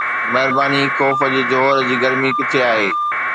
مهرباني، خوف جي جوهر جي گرمي ڪٿي آهي؟